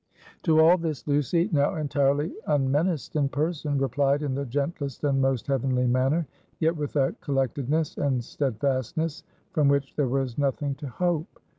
To all this, Lucy now entirely unmenaced in person replied in the gentlest and most heavenly manner; yet with a collectedness, and steadfastness, from which there was nothing to hope.